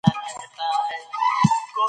هیڅوک په بل چا باندې برتري نه لري.